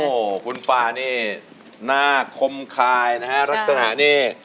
โอ้โหคุณป่านี่หน้าคมคายนะฮะลักษณะนี่